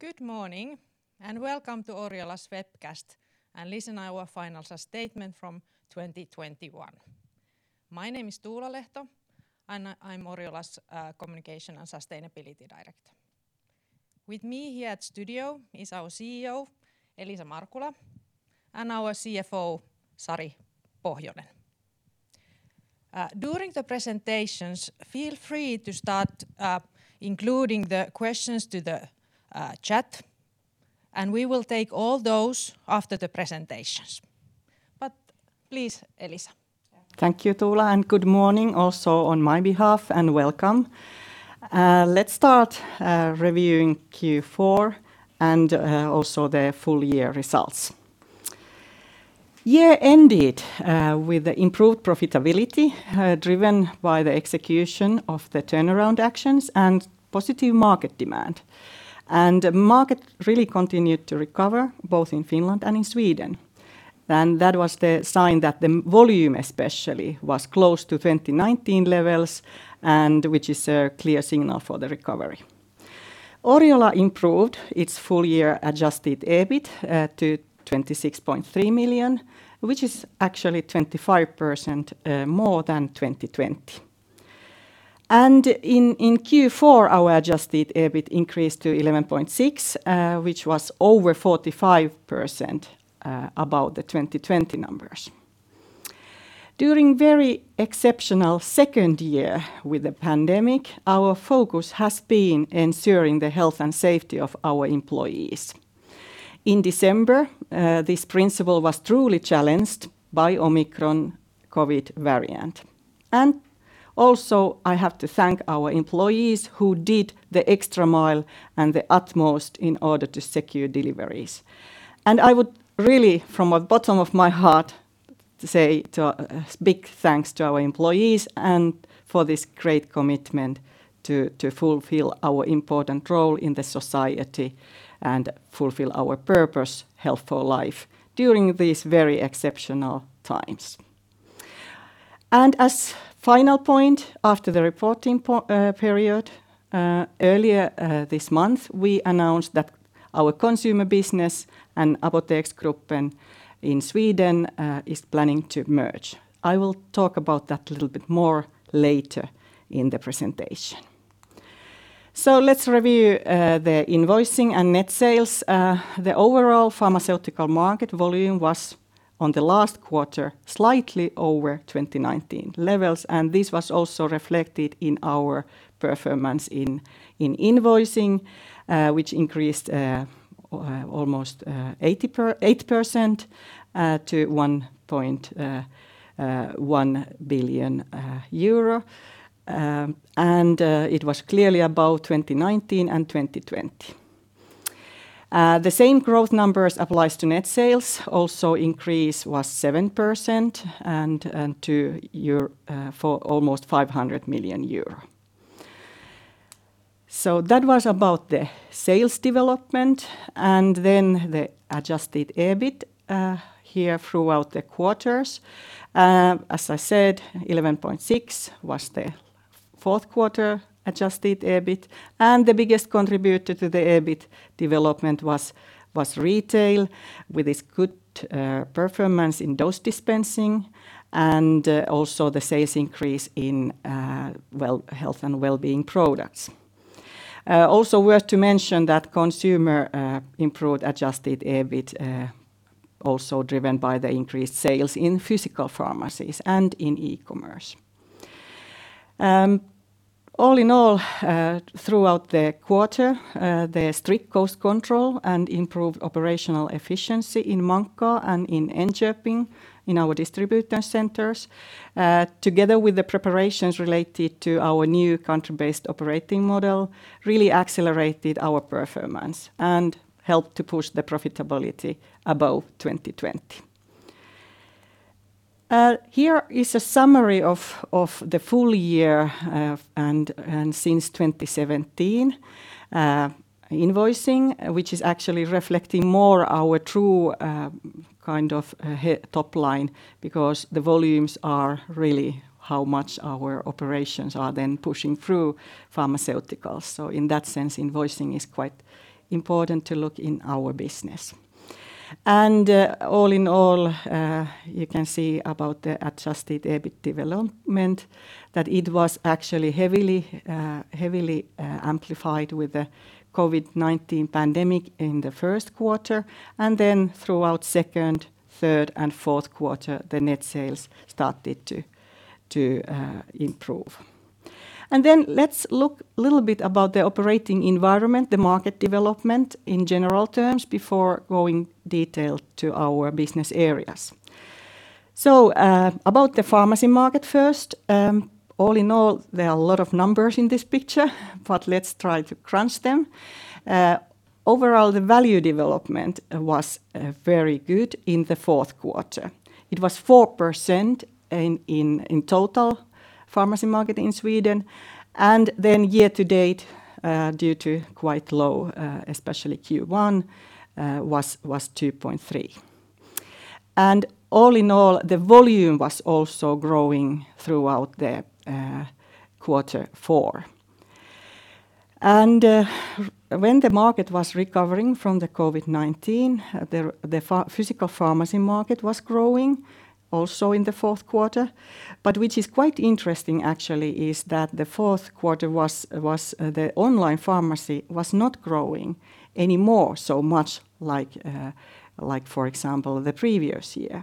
Good morning, and welcome to Oriola's webcast and listen to our financial statement from 2021. My name is Tuula Lehto, and I'm Oriola's communication and sustainability director. With me here in the studio is our CEO, Elisa Markula, and our CFO, Sari Pohjonen. During the presentations, feel free to start including the questions in the chat, and we will take all those after the presentations. Please, Elisa. Thank you, Tuula, and good morning also on my behalf, and welcome. Let's start reviewing Q4 and also the full year results. The year ended with improved profitability, driven by the execution of the turnaround actions and positive market demand. Market really continued to recover both in Finland and in Sweden, and that was the sign that the volume especially was close to 2019 levels, and which is a clear signal for the recovery. Oriola improved its full year adjusted EBIT to 26.3 million, which is actually 25% more than 2020. In Q4, our adjusted EBIT increased to 11.6 million, which was over 45% above the 2020 numbers. During very exceptional second year with the pandemic, our focus has been ensuring the health and safety of our employees. In December, this principle was truly challenged by the Omicron COVID-19 variant. I have to thank our employees who did the extra mile and the utmost in order to secure deliveries. I would really from the bottom of my heart say a big thanks to our employees and for this great commitment to fulfill our important role in the society and fulfill our purpose, Health for life, during these very exceptional times. As final point, after the reporting period, earlier this month, we announced that our consumer business and Apoteksgruppen in Sweden is planning to merge. I will talk about that little bit more later in the presentation. Let's review the invoicing and net sales. The overall pharmaceutical market volume was, in the last quarter, slightly over 2019 levels, and this was also reflected in our performance in invoicing, which increased almost 8% to 1.1 billion euro. It was clearly above 2019 and 2020. The same growth numbers applies to net sales. The increase was 7% to almost EUR 500 million. That was about the sales development, and then the adjusted EBIT here throughout the quarters. As I said, 11.6 million was the fourth quarter adjusted EBIT, and the biggest contributor to the EBIT development was retail with its good performance in dose dispensing and also the sales increase in health and well-being products. Also worth to mention that consumer improved adjusted EBIT also driven by the increased sales in physical pharmacies and in e-commerce. All in all, throughout the quarter, the strict cost control and improved operational efficiency in Munkkila and in Enköping, in our distributor centers, together with the preparations related to our new country-based operating model, really accelerated our performance and helped to push the profitability above 2020. Here is a summary of the full year and since 2017, invoicing, which is actually reflecting more our true kind of top line because the volumes are really how much our operations are then pushing through pharmaceuticals. In that sense, invoicing is quite important to look in our business. All in all, you can see about the adjusted EBIT development, that it was actually heavily amplified with the COVID-19 pandemic in the first quarter, and then throughout second, third, and fourth quarter, the net sales started to improve. Let's look little bit about the operating environment, the market development in general terms before going detailed to our business areas. About the pharmacy market first, all in all, there are a lot of numbers in this picture, but let's try to crunch them. Overall, the value development was very good in the fourth quarter. It was 4% in total pharmacy market in Sweden, and then year to date, due to quite low, especially Q1, was 2.3%. All in all, the volume was also growing throughout the quarter four. When the market was recovering from the COVID-19, the physical pharmacy market was growing also in the fourth quarter, but which is quite interesting actually is that the fourth quarter was the online pharmacy was not growing anymore, so much like for example the previous year.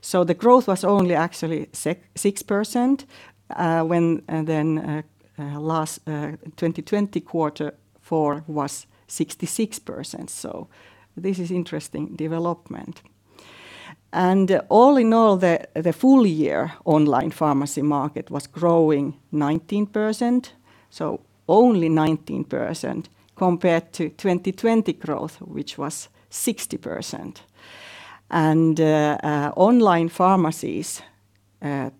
The growth was only actually 6%, when and then last 2020 quarter four was 66%. This is interesting development. All in all, the full year online pharmacy market was growing 19%, so only 19% compared to 2020 growth, which was 60%. Online pharmacies'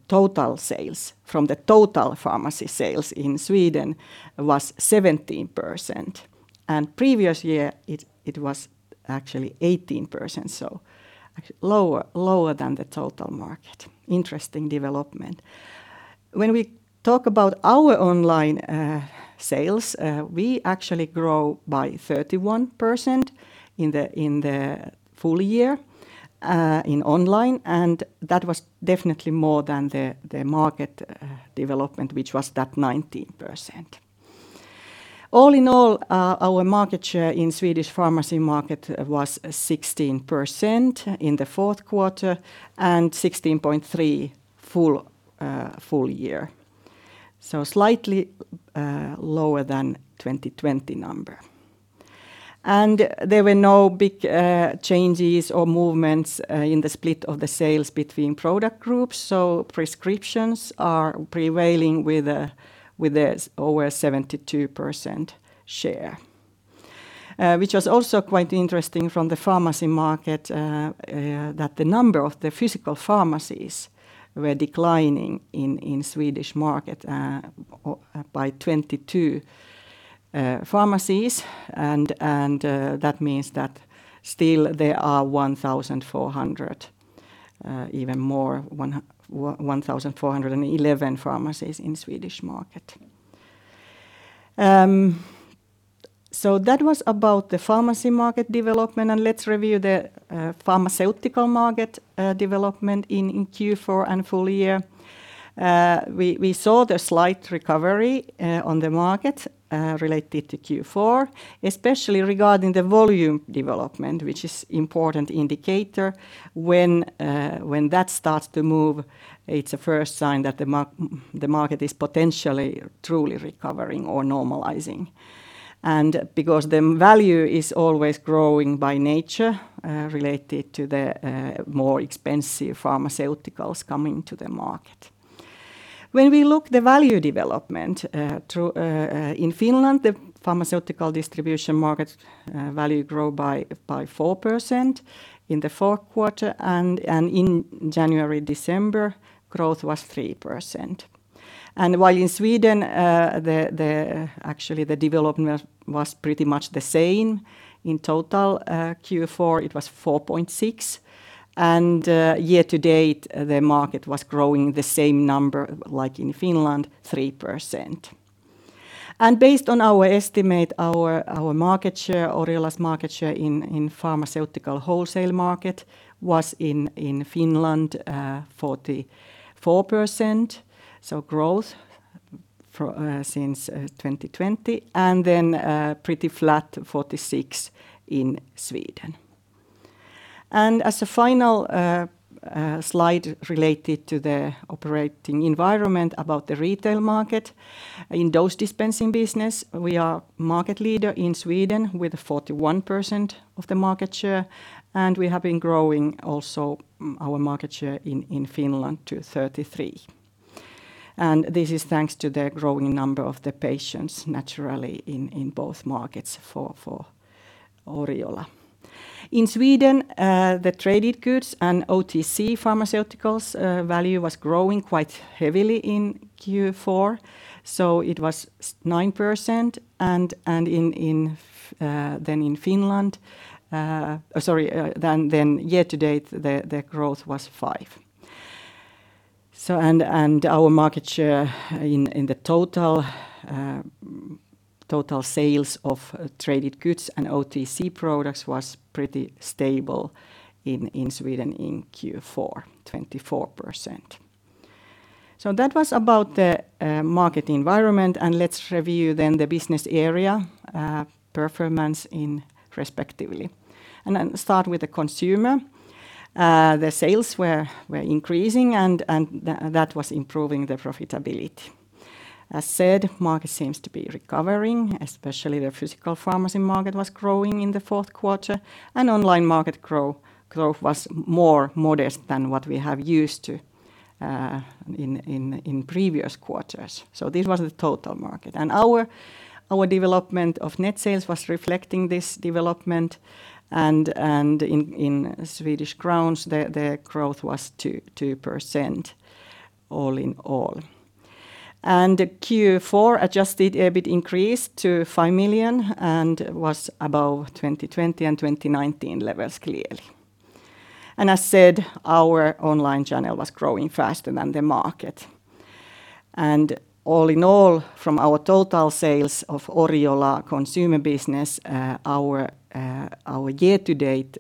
total sales from the total pharmacy sales in Sweden was 17%, and previous year it was actually 18%, so lower than the total market. Interesting development. When we talk about our online sales, we actually grow by 31% in the full year in online, and that was definitely more than the market development, which was that 19%. All in all, our market share in Swedish pharmacy market was 16% in the fourth quarter and 16.3% full year, so slightly lower than 2020 number. There were no big changes or movements in the split of the sales between product groups, so prescriptions are prevailing with a share over 72%. Which was also quite interesting from the pharmacy market, that the number of the physical pharmacies were declining in Swedish market by 22 pharmacies, and that means that still there are 1,411 pharmacies in Swedish market. That was about the pharmacy market development, and let's review the pharmaceutical market development in Q4 and full year. We saw the slight recovery on the market related to Q4, especially regarding the volume development, which is important indicator when that starts to move. It's a first sign that the market is potentially truly recovering or normalizing. Because the value is always growing by nature related to the more expensive pharmaceuticals coming to the market. When we look the value development through in Finland, the pharmaceutical distribution market value grow by 4% in the fourth quarter and in January-December, growth was 3%. While in Sweden, actually the development was pretty much the same. In total Q4 it was 4.6%, and year to date, the market was growing the same number like in Finland, 3%. Based on our estimate, our market share, Oriola's market share in pharmaceutical wholesale market was in Finland 44%, so growth since 2020, and then pretty flat 46% in Sweden. As a final slide related to the operating environment about the retail market, in dose dispensing business, we are market leader in Sweden with 41% of the market share, and we have been growing also our market share in Finland to 33%. This is thanks to the growing number of the patients naturally in both markets for Oriola. In Sweden, the traded goods and OTC pharmaceuticals value was growing quite heavily in Q4, so it was 9% and then in Finland year to date the growth was 5%. Our market share in the total sales of traded goods and OTC products was pretty stable in Sweden in Q4, 24%. That was about the market environment, and let's review then the business area performance in respectively. Start with the consumer. The sales were increasing and that was improving the profitability. As said, market seems to be recovering, especially the physical pharmacy market was growing in the fourth quarter, and online market growth was more modest than what we have used to in previous quarters. This was the total market. Our development of net sales was reflecting this development and in Swedish crowns, the growth was 2% all in all. Q4 adjusted EBIT increased to 5 million and was above 2020 and 2019 levels clearly. As said, our online channel was growing faster than the market. All in all, from our total sales of Oriola consumer business, our year-to-date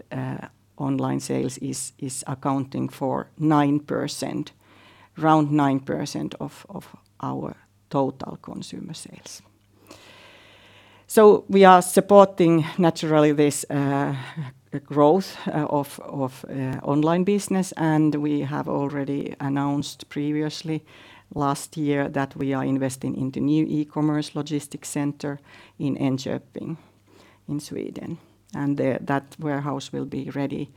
online sales is accounting for 9%, around 9% of our total consumer sales. We are supporting naturally this growth of online business, and we have already announced previously last year that we are investing in the new e-commerce logistics center in Enköping in Sweden. That warehouse will be ready,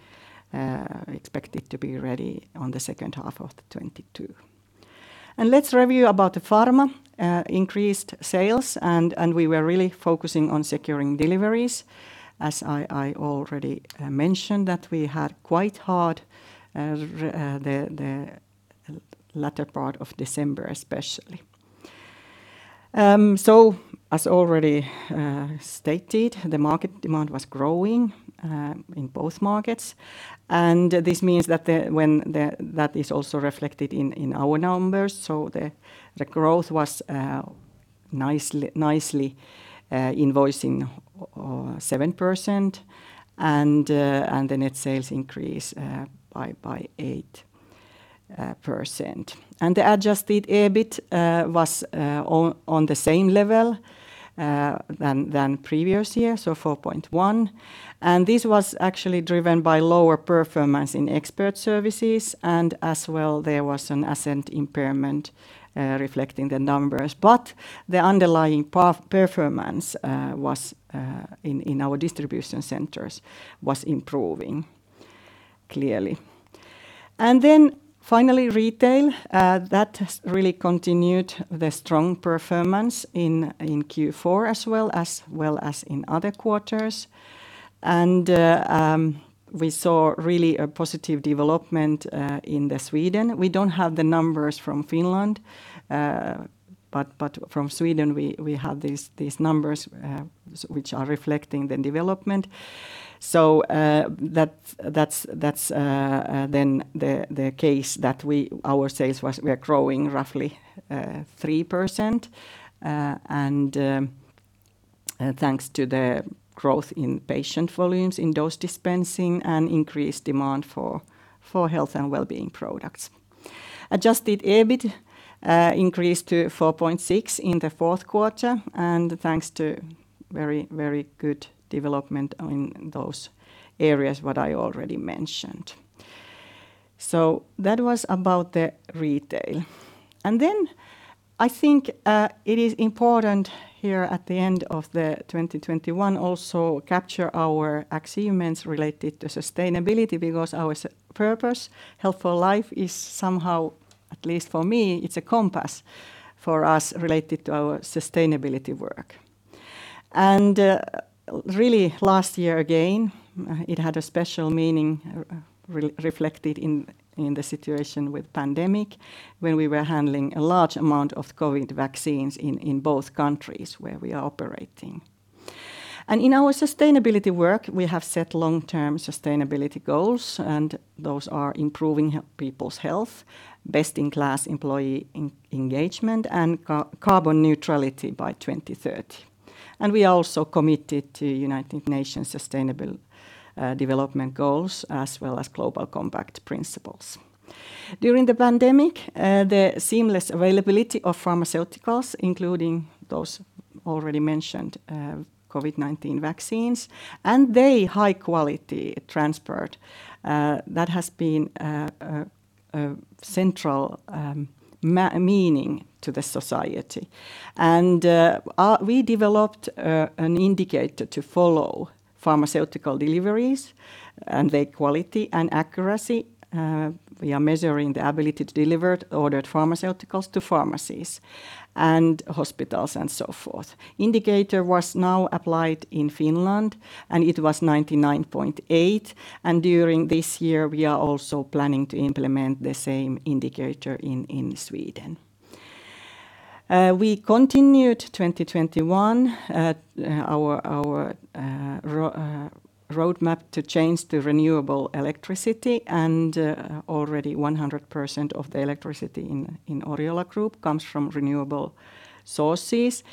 expected to be ready on the second half of 2022. Let's review about the pharma increased sales and we were really focusing on securing deliveries. As I already mentioned that we had quite hard the latter part of December especially. As already stated, the market demand was growing in both markets. This means that that is also reflected in our numbers. The growth was nicely invoicing 7% and the net sales increased by 8%. The adjusted EBIT was on the same level as previous year, so 4.1 million. This was actually driven by lower performance in expert services and as well there was an asset impairment reflecting the numbers. The underlying performance in our distribution centers was improving clearly. Finally retail that has really continued the strong performance in Q4 as well as in other quarters. We saw really a positive development in Sweden. We don't have the numbers from Finland, but from Sweden we have these numbers which are reflecting the development. That's the case that our sales are growing roughly 3%, and thanks to the growth in patient volumes in dose dispensing and increased demand for health and well-being products. Adjusted EBIT increased to 4.6 million in the fourth quarter, and thanks to very good development in those areas what I already mentioned. That was about the retail. I think it is important here at the end of 2021 to also capture our achievements related to sustainability because our purpose, Health for life, is somehow, at least for me, it's a compass for us related to our sustainability work. Really last year again, it had a special meaning reflected in the situation with pandemic when we were handling a large amount of COVID vaccines in both countries where we are operating. In our sustainability work, we have set long-term sustainability goals, and those are improving people's health, best-in-class employee engagement, and carbon neutrality by 2030. We are also committed to United Nations Sustainable Development Goals as well as Global Compact Principles. During the pandemic, the seamless availability of pharmaceuticals, including those already mentioned, COVID-19 vaccines, and their high quality transport, that has been a central meaning to the society. We developed an indicator to follow pharmaceutical deliveries and their quality and accuracy. We are measuring the ability to deliver ordered pharmaceuticals to pharmacies and hospitals and so forth. indicator was now applied in Finland, and it was 99.8%, and during this year, we are also planning to implement the same indicator in Sweden. We continued in 2021 with our roadmap to change to renewable electricity, and already 100% of the electricity in Oriola Group comes from renewable sources.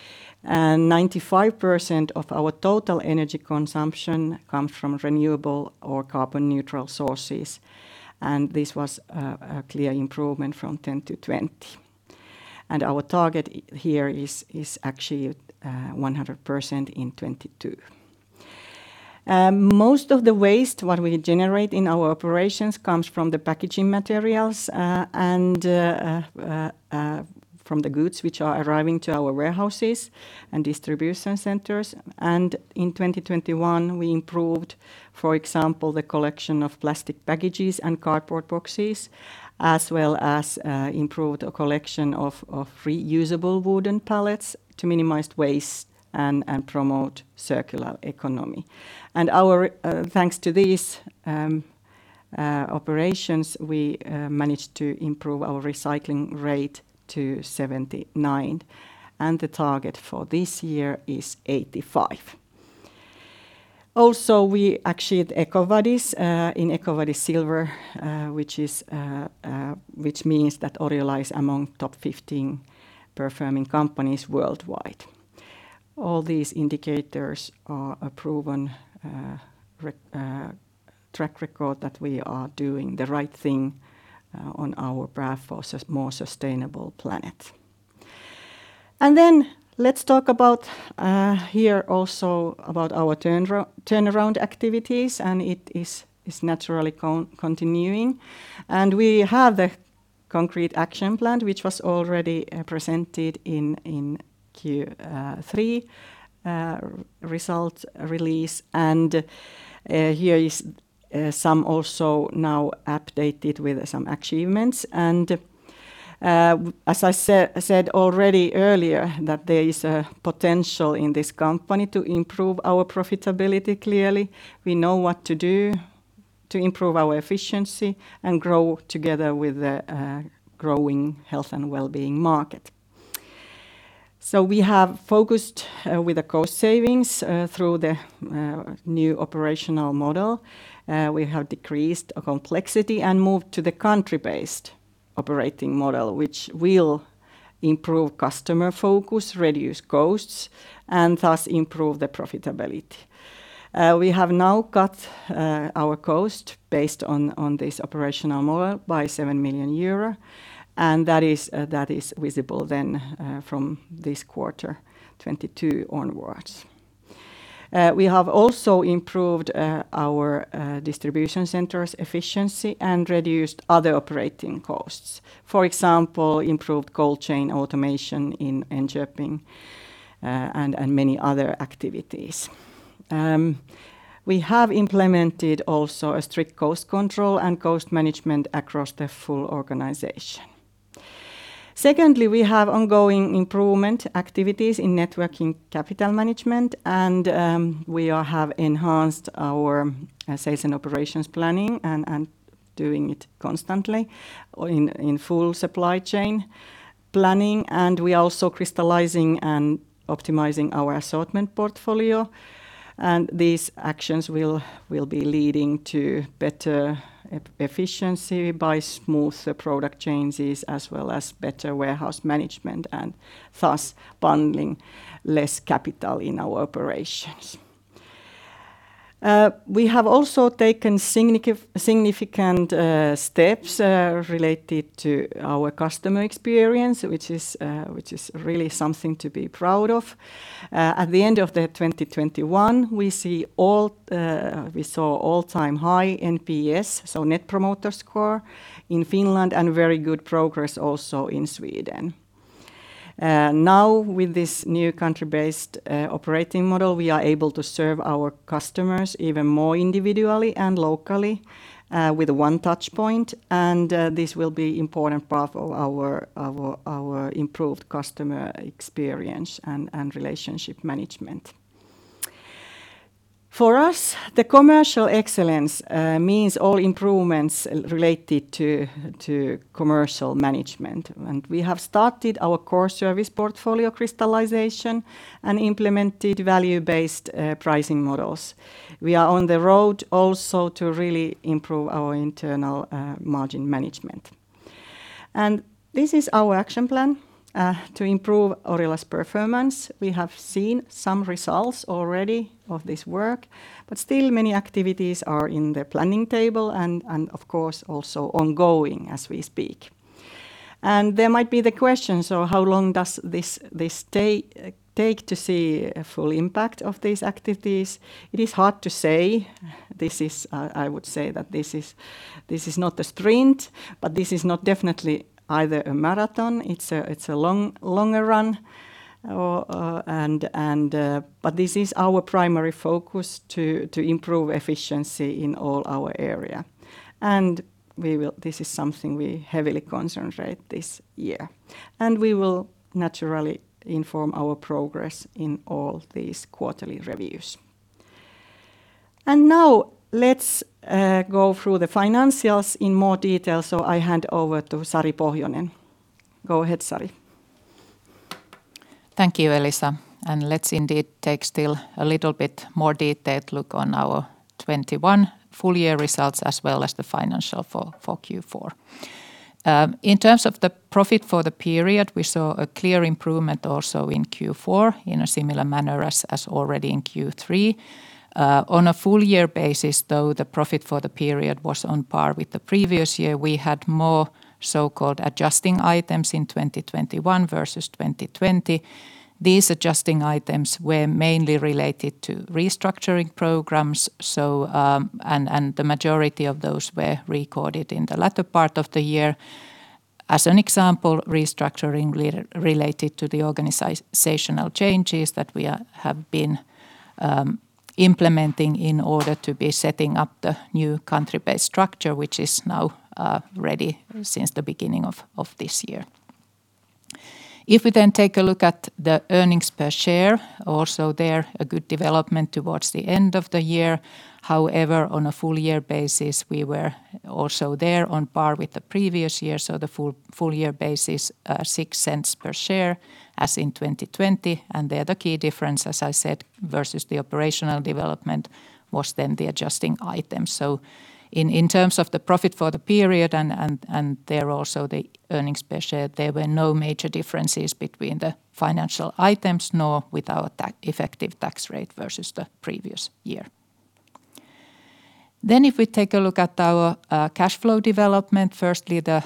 95% of our total energy consumption comes from renewable or carbon neutral sources. This was a clear improvement from 2010-2020. Our target here is actually 100% in 2022. Most of the waste what we generate in our operations comes from the packaging materials and from the goods which are arriving to our warehouses and distribution centers. In 2021, we improved, for example, the collection of plastic packages and cardboard boxes, as well as improved the collection of reusable wooden pallets to minimize waste and promote circular economy. Our, thanks to this operations, we managed to improve our recycling rate to 79%, and the target for this year is 85%. We achieved EcoVadis Silver, which means that Oriola is among top 15 performing companies worldwide. All these indicators are a proven track record that we are doing the right thing on our path for more sustainable planet. Let's talk about here also about our turnaround activities, and it is naturally continuing. We have a concrete action plan, which was already presented in Q3 result release. Here is some also now updated with some achievements. As I said already earlier that there is a potential in this company to improve our profitability clearly. We know what to do to improve our efficiency and grow together with the growing health and well-being market. We have focused with the cost savings through the new operational model. We have decreased complexity and moved to the country-based operating model, which will improve customer focus, reduce costs, and thus improve the profitability. We have now cut our cost based on this operational model by 7 million euro, and that is visible then from this quarter 2022 onwards. We have also improved our distribution center's efficiency and reduced other operating costs. For example, improved cold chain automation in Enköping and many other activities. We have implemented also a strict cost control and cost management across the full organization. Secondly, we have ongoing improvement activities in net working capital management, and we have enhanced our sales and operations planning and doing it constantly in full supply chain planning. We are also crystallizing and optimizing our assortment portfolio. These actions will be leading to better efficiency by smoother product changes as well as better warehouse management and thus bundling less capital in our operations. We have also taken significant steps related to our customer experience, which is really something to be proud of. At the end of 2021, we saw all-time high NPS, so Net Promoter Score, in Finland and very good progress also in Sweden. Now with this new country-based operating model, we are able to serve our customers even more individually and locally with one touch point. This will be important part of our improved customer experience and relationship management. For us, the commercial excellence means all improvements related to commercial management. We have started our core service portfolio crystallization and implemented value-based pricing models. We are on the road also to really improve our internal margin management. This is our action plan to improve Oriola's performance. We have seen some results already of this work, but still many activities are in the planning table and of course also ongoing as we speak. There might be the question, so how long does this take to see a full impact of these activities? It is hard to say. This is, I would say that this is not a sprint, but this is not definitely either a marathon. It's a longer run, but this is our primary focus to improve efficiency in all our area. This is something we heavily concentrate this year. We will naturally inform our progress in all these quarterly reviews. Now let's go through the financials in more detail, so I hand over to Sari Pohjonen. Go ahead, Sari. Thank you, Elisa. Let's indeed take still a little bit more detailed look on our 2021 full-year results as well as the financials for Q4. In terms of the profit for the period, we saw a clear improvement also in Q4 in a similar manner as already in Q3. On a full-year basis, though, the profit for the period was on par with the previous year. We had more so-called adjusting items in 2021 versus 2020. These adjusting items were mainly related to restructuring programs, and the majority of those were recorded in the latter part of the year. As an example, restructuring related to the organizational changes that we have been implementing in order to set up the new country-based structure, which is now ready since the beginning of this year. If we then take a look at the earnings per share, also there was a good development towards the end of the year. However, on a full year basis, we were also there on par with the previous year. The full year basis, 0.06 per share as in 2020. The other key difference, as I said, versus the operational development was then the adjustment items. In terms of the profit for the period and there also the earnings per share, there were no major differences between the financial items nor with our effective tax rate versus the previous year. If we take a look at our cash flow development, firstly the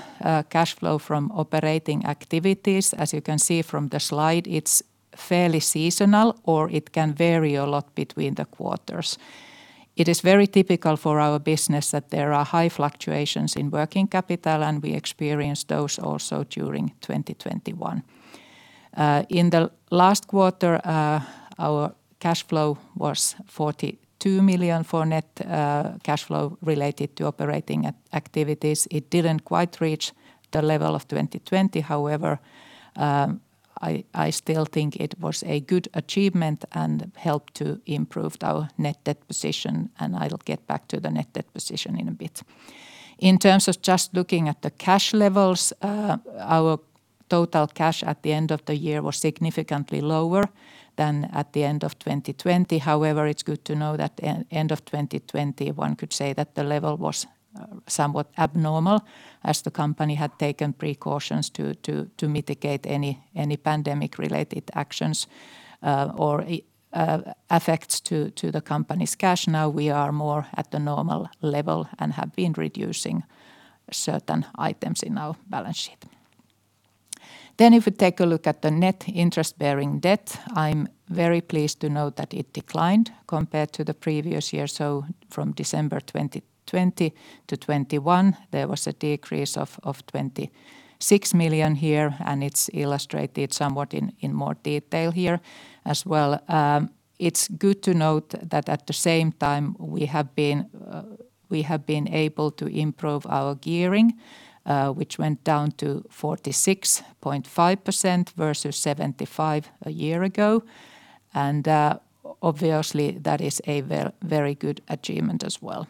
cash flow from operating activities. As you can see from the slide, it's fairly seasonal, or it can vary a lot between the quarters. It is very typical for our business that there are high fluctuations in working capital, and we experience those also during 2021. In the last quarter, our cash flow was 42 million for net cash flow related to operating activities. It didn't quite reach the level of 2020. However, I still think it was a good achievement and helped to improved our net debt position, and I'll get back to the net debt position in a bit. In terms of just looking at the cash levels, our total cash at the end of the year was significantly lower than at the end of 2020. However, it's good to know that at end of 2020, one could say that the level was somewhat abnormal as the company had taken precautions to mitigate any pandemic-related actions or effects to the company's cash. Now we are more at the normal level and have been reducing certain items in our balance sheet. If we take a look at the net interest-bearing debt, I'm very pleased to note that it declined compared to the previous year. So from December 2020-2021, there was a decrease of 26 million here, and it's illustrated somewhat in more detail here as well. It's good to note that at the same time we have been able to improve our gearing, which went down to 46.5% versus 75% a year ago. Obviously, that is a very good achievement as well.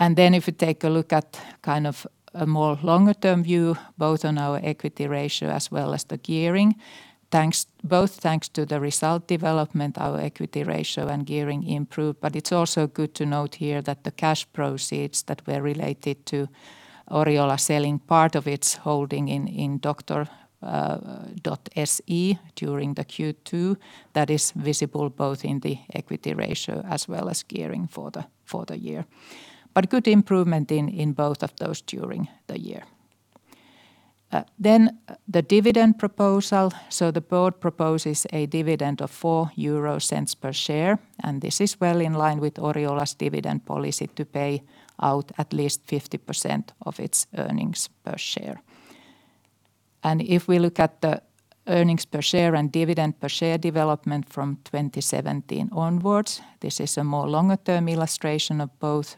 If you take a look at kind of a more longer-term view, both on our equity ratio as well as the gearing, both thanks to the result development, our equity ratio and gearing improved. It's also good to note here that the cash proceeds that were related to Oriola selling part of its holding in doktor.se during the Q2, that is visible both in the equity ratio as well as gearing for the year. Good improvement in both of those during the year. The dividend proposal. The board proposes a dividend of 0.04 per share, and this is well in line with Oriola's dividend policy to pay out at least 50% of its earnings per share. If we look at the earnings per share and dividend per share development from 2017 onwards, this is a more longer-term illustration of both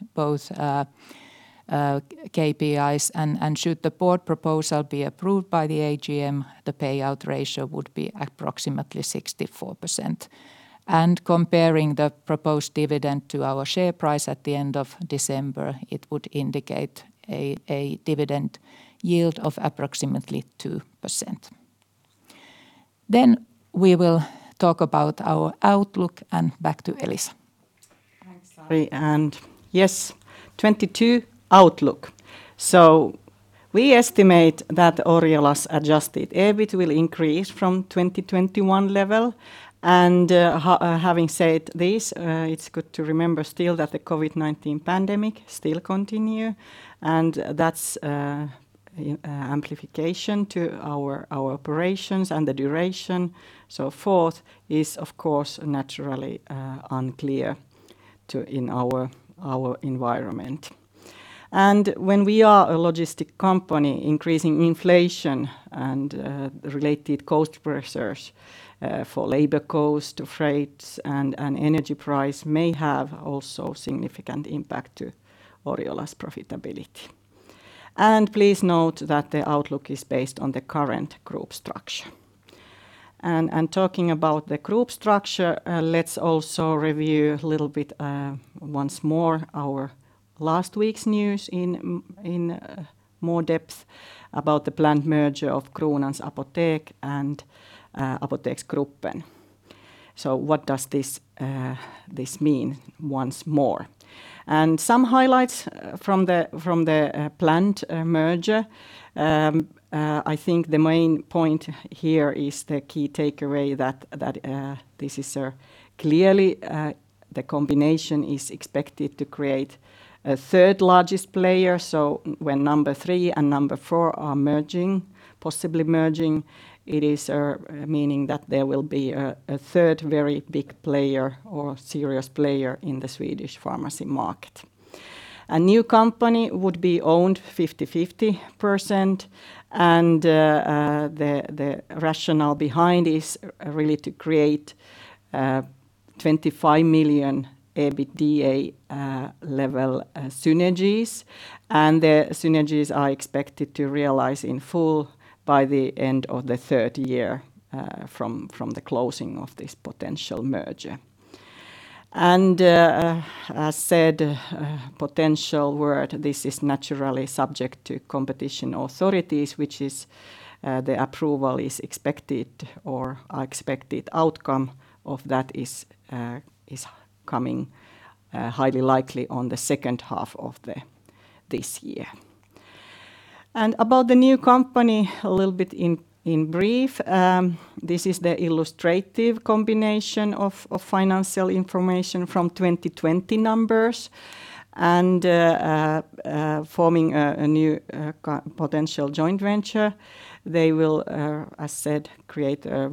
KPIs. Should the board proposal be approved by the AGM, the payout ratio would be approximately 64%. Comparing the proposed dividend to our share price at the end of December, it would indicate a dividend yield of approximately 2%. We will talk about our outlook and back to Elisa. Thanks, Sari. Yes, 2022 outlook. We estimate that Oriola's adjusted EBIT will increase from 2021 level. Having said this, it's good to remember still that the COVID-19 pandemic still continues, and that's implication to our operations and the duration and so forth is of course naturally unclear to us in our environment. When we are a logistics company, increasing inflation and related cost pressures for labor costs to freights and energy prices may have also significant impact to Oriola's profitability. Please note that the outlook is based on the current group structure. Talking about the group structure, let's also review a little bit once more our last week's news in more depth about the planned merger of Kronans Apotek and Apoteksgruppen. What does this mean once more? Some highlights from the planned merger. I think the main point here is the key takeaway that this is clearly the combination is expected to create a third-largest player. When number three and number four are merging, possibly merging, it is meaning that there will be a third very big player or serious player in the Swedish pharmacy market. A new company would be owned 50/50%, and the rationale behind is really to create 25 million EBITDA level synergies, and the synergies are expected to realize in full by the end of the third year from the closing of this potential merger. As said, potential merger, this is naturally subject to competition authorities, which is the approval is expected or are expected outcome of that is is coming highly likely on the second half of this year. About the new company, a little bit in brief, this is the illustrative combination of financial information from 2020 numbers and forming a new potential joint venture. They will, as said, create a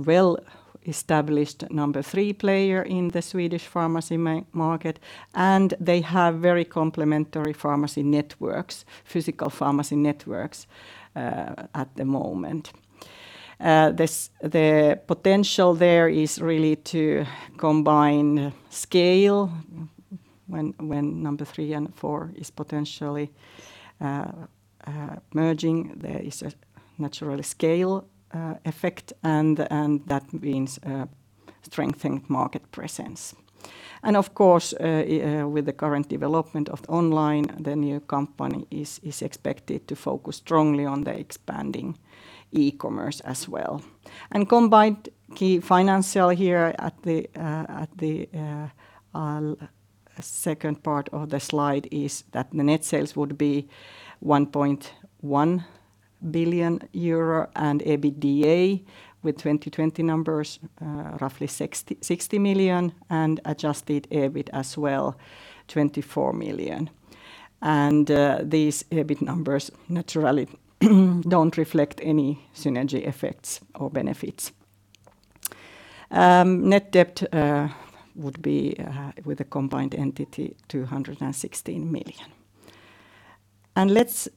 well-established number three player in the Swedish pharmacy market, and they have very complementary pharmacy networks, physical pharmacy networks at the moment. The potential there is really to combine scale when number three and four is potentially merging, there is naturally scale effect and that means strengthened market presence. Of course, with the current development of online, the new company is expected to focus strongly on the expanding e-commerce as well. Combined key financial here at the second part of the slide is that the net sales would be 1.1 billion euro and EBITDA with 2020 numbers, roughly 60 million and adjusted EBIT as well, 24 million. These EBIT numbers naturally don't reflect any synergy effects or benefits. Net debt would be, with a combined entity, 216 million. Let's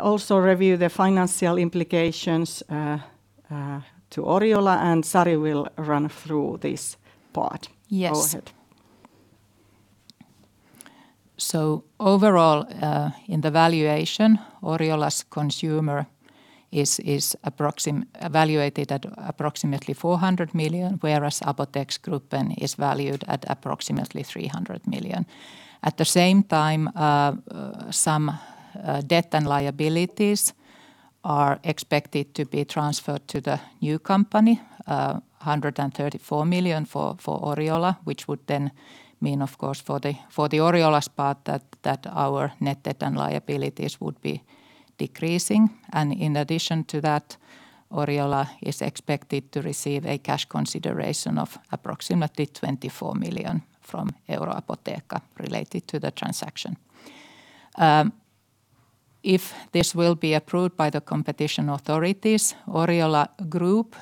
also review the financial implications to Oriola, and Sari will run through this part. Yes. Go ahead. Overall, in the valuation, Oriola's consumer is evaluated at approximately 400 million, whereas Apoteksgruppen is valued at approximately 300 million. At the same time, some debt and liabilities are expected to be transferred to the new company, 134 million for Oriola, which would then mean, of course, for the Oriola's part that our net debt and liabilities would be decreasing. In addition to that, Oriola is expected to receive a cash consideration of approximately 24 million from Euroapotheca related to the transaction. If this will be approved by the competition authorities, Oriola Group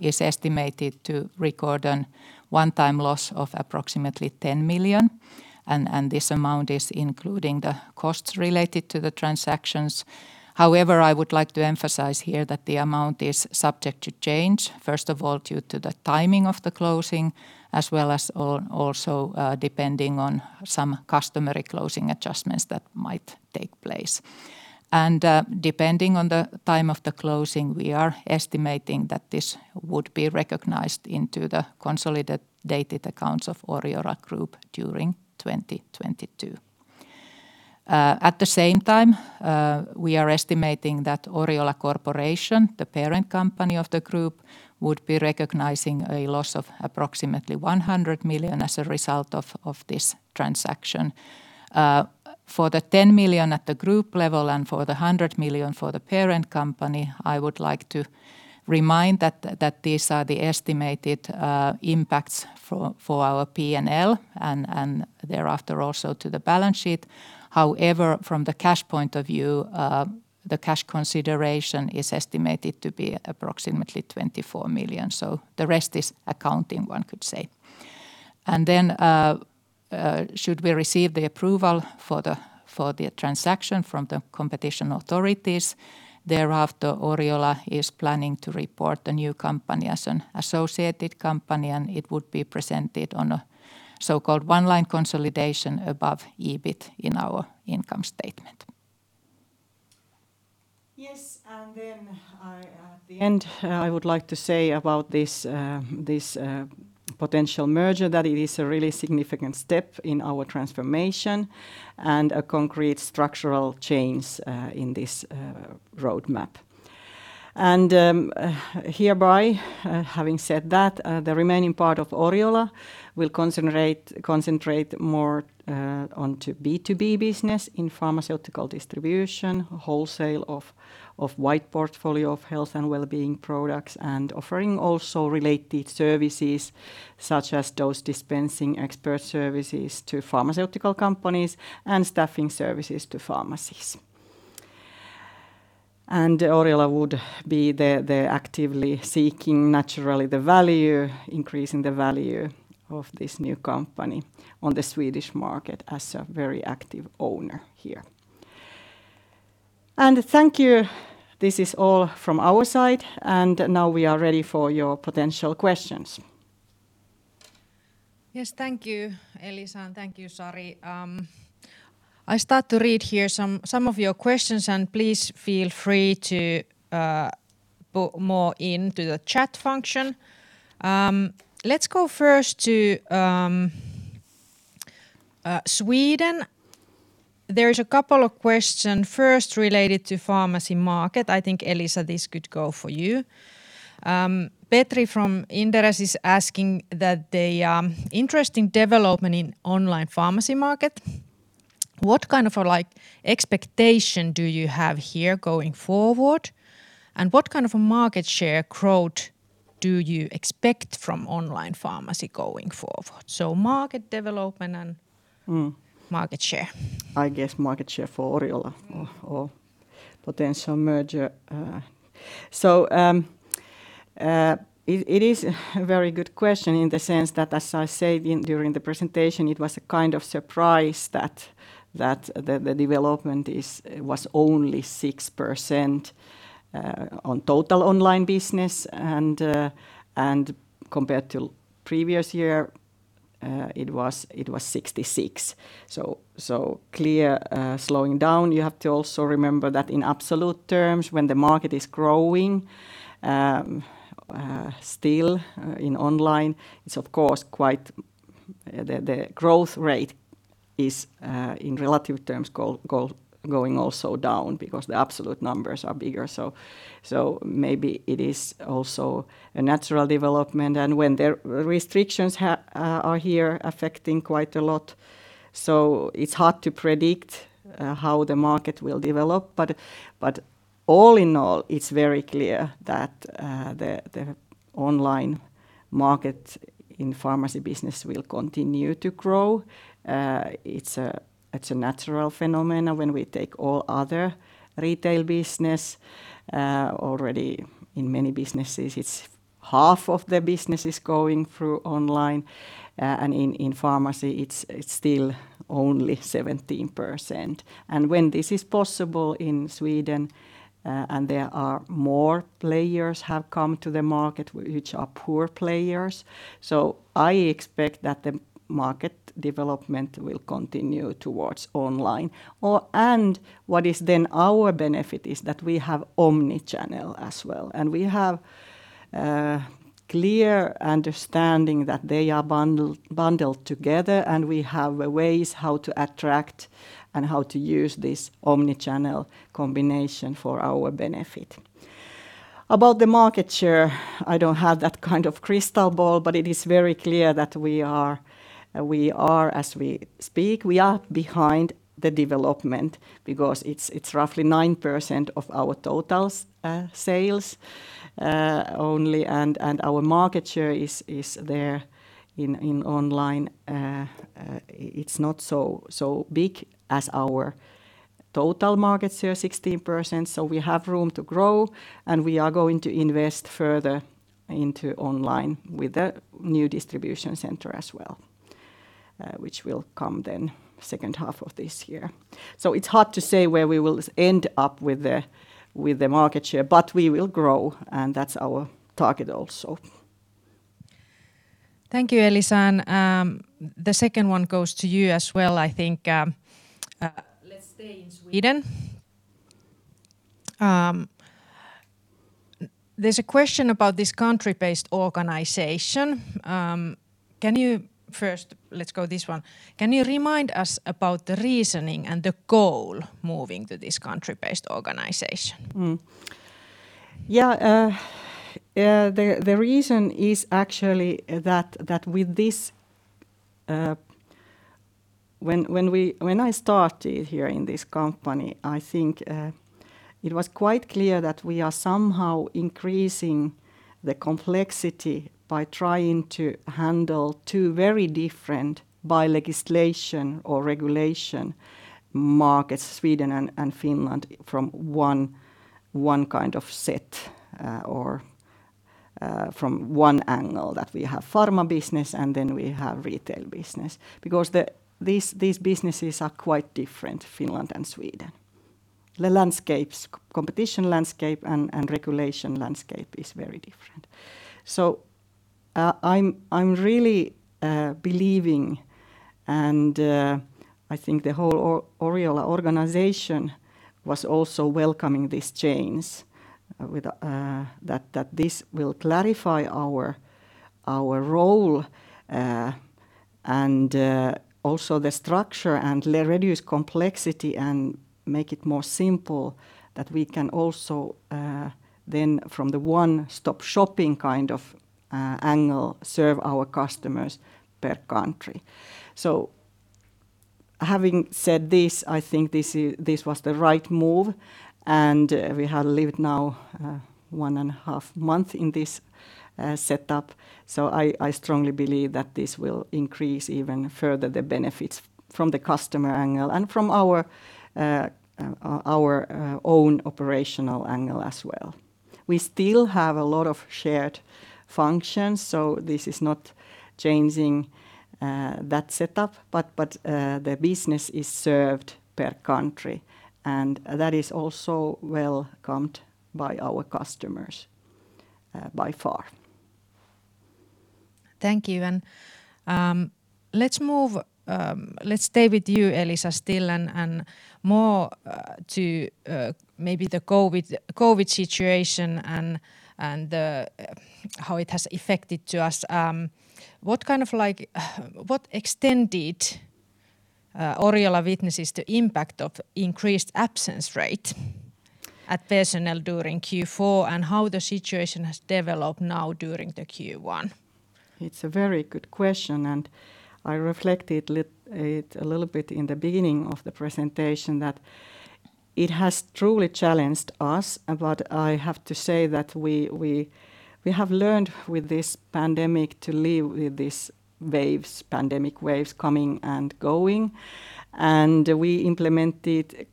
is estimated to record a one-time loss of approximately 10 million, and this amount is including the costs related to the transactions. However, I would like to emphasize here that the amount is subject to change, first of all, due to the timing of the closing, as well as also, depending on some customary closing adjustments that might take place. Depending on the time of the closing, we are estimating that this would be recognized into the consolidated accounts of Oriola Group during 2022. At the same time, we are estimating that Oriola Corporation, the parent company of the group, would be recognizing a loss of approximately 100 million as a result of this transaction. For the 10 million at the group level and for the 100 million for the parent company, I would like to remind that these are the estimated impacts for our P&L and thereafter also to the balance sheet. However, from the cash point of view, the cash consideration is estimated to be approximately 24 million. So the rest is accounting, one could say. Should we receive the approval for the transaction from the competition authorities, thereafter, Oriola is planning to report the new company as an associated company, and it would be presented on a so-called one-line consolidation above EBIT in our income statement. Yes. At the end, I would like to say about this potential merger that it is a really significant step in our transformation and a concrete structural change in this roadmap. Hereby, having said that, the remaining part of Oriola will concentrate more onto B2B business in pharmaceutical distribution, wholesale of wide portfolio of health and well-being products, and offering also related services such as dose dispensing, expert services to pharmaceutical companies, and staffing services to pharmacies. Oriola would be actively seeking, naturally, to increase the value of this new company on the Swedish market as a very active owner here. Thank you. This is all from our side, and now we are ready for your potential questions. Yes, thank you, Elisa, and thank you, Sari. I start to read here some of your questions, and please feel free to put more into the chat function. Let's go first to Sweden. There are a couple of questions first related to pharmacy market. I think, Elisa, this could go for you. Petri from Inderes is asking that the interesting development in online pharmacy market, what kind of a, like, expectation do you have here going forward? And what kind of a market share growth do you expect from online pharmacy going forward? Market development and- Mm market share. I guess market share for Oriola or potential merger. It is a very good question in the sense that, as I said during the presentation, it was a kind of surprise that the development was only 6% on total online business, and compared to previous year, it was 66%. Clear slowing down. You have to also remember that in absolute terms, when the market is growing, still in online, it's of course quite the growth rate is in relative terms going also down because the absolute numbers are bigger. Maybe it is also a natural development. When the restrictions are here affecting quite a lot, it's hard to predict how the market will develop. All in all, it's very clear that the online market in pharmacy business will continue to grow. It's a natural phenomenon when we take all other retail business. Already in many businesses, it's half of the business is going through online, and in pharmacy it's still only 17%. When this is possible in Sweden, and there are more players have come to the market which are pure players. I expect that the market development will continue towards online. What is then our benefit is that we have omnichannel as well. We have clear understanding that they are bundled together, and we have ways how to attract and how to use this omnichannel combination for our benefit. About the market share, I don't have that kind of crystal ball, but it is very clear that we are, as we speak, behind the development because it's roughly 9% of our total sales only and our market share is there in online. It's not so big as our total market share, 16%, so we have room to grow, and we are going to invest further into online with the new distribution center as well, which will come then second half of this year. It's hard to say where we will end up with the market share, but we will grow, and that's our target also. Thank you, Elisa. The second one goes to you as well, I think. Let's stay in Sweden. There's a question about this country-based organization. First, let's go with this one. Can you remind us about the reasoning and the goal moving to this country-based organization? The reason is actually that with this, when I started here in this company, I think it was quite clear that we are somehow increasing the complexity by trying to handle two very different, by legislation or regulation, markets, Sweden and Finland, from one kind of set, from one angle, that we have pharma business, and then we have retail business. Because these businesses are quite different, Finland and Sweden. The landscapes, competition landscape and regulation landscape is very different. I'm really believing, and I think the whole Oriola organization was also welcoming this change, with that this will clarify our role, and also the structure and reduce complexity and make it more simple that we can also then from the one-stop shopping kind of angle serve our customers per country. Having said this, I think this was the right move, and we have lived now one and a half month in this setup. I strongly believe that this will increase even further the benefits from the customer angle and from our own operational angle as well. We still have a lot of shared functions. This is not changing that setup, but the business is served per country, and that is also welcomed by our customers by far. Thank you. Let's stay with you, Elisa, still and more to maybe the COVID-19 situation and how it has affected us. To what extent did Oriola witness the impact of increased absence rate at personnel during Q4, and how the situation has developed now during the Q1? It's a very good question, and I reflected it a little bit in the beginning of the presentation that it has truly challenged us. I have to say that we have learned with this pandemic to live with these waves, pandemic waves coming and going. We implemented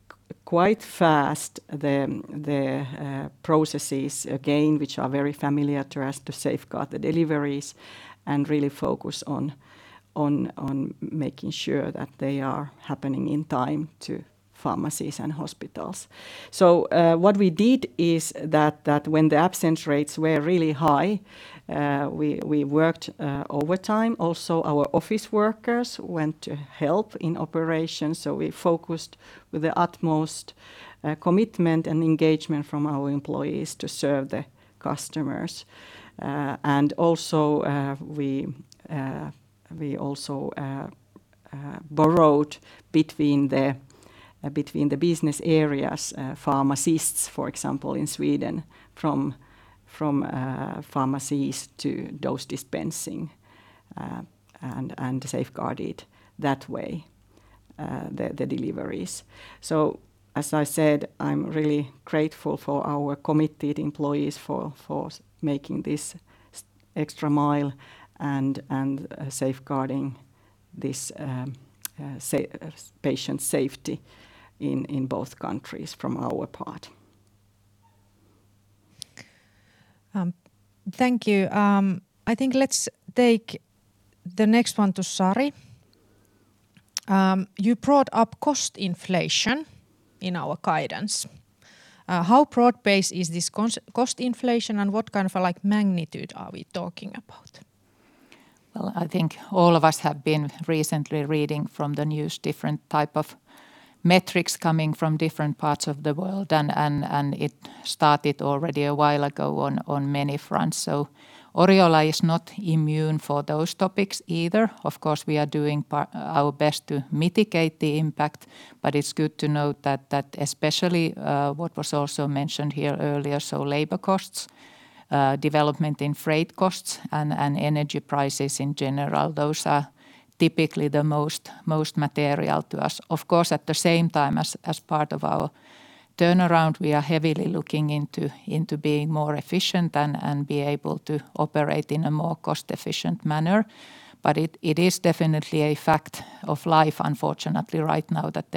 quite fast the processes, again, which are very familiar to us to safeguard the deliveries and really focus on making sure that they are happening in time to pharmacies and hospitals. What we did is that when the absence rates were really high, we worked overtime. Also, our office workers went to help in operations, so we focused with the utmost commitment and engagement from our employees to serve the customers. We also borrowed between the business areas pharmacists, for example, in Sweden from pharmacies to dose dispensing and safeguarded that way the deliveries. As I said, I'm really grateful for our committed employees for making this extra mile and safeguarding this patient safety in both countries from our part. Thank you. I think let's take the next one to Sari. You brought up cost inflation in our guidance. How broad-based is this cost inflation, and what kind of a, like, magnitude are we talking about? Well, I think all of us have been recently reading from the news different type of metrics coming from different parts of the world and it started already a while ago on many fronts. Oriola is not immune for those topics either. Of course, we are doing our best to mitigate the impact, but it's good to note that especially what was also mentioned here earlier, so labor costs development in freight costs and energy prices in general, those are typically the most material to us. Of course, at the same time, as part of our turnaround, we are heavily looking into being more efficient and be able to operate in a more cost-efficient manner. It is definitely a fact of life, unfortunately, right now that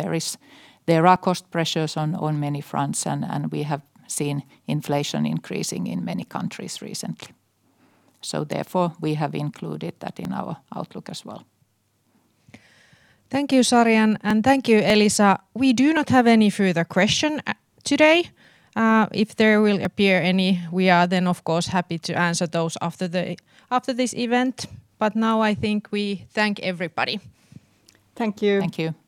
there are cost pressures on many fronts, and we have seen inflation increasing in many countries recently. Therefore, we have included that in our outlook as well. Thank you, Sari, and thank you, Elisa. We do not have any further questions today. If there will appear any, we are then of course happy to answer those after this event. Now I think we thank everybody. Thank you. Thank you.